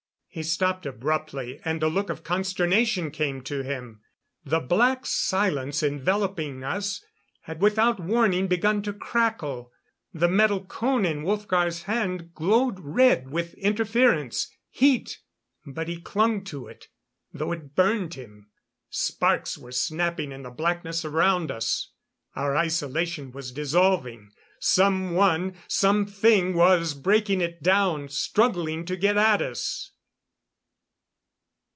He stopped abruptly, and a look of consternation came to him. The black silence enveloping us had without warning begun to crackle. The metal cone in Wolfgar's hand glowed red with interference heat but he clung to it, though it burned him. Sparks were snapping in the blackness around us. Our isolation was dissolving. Someone something was breaking it down, struggling to get at us!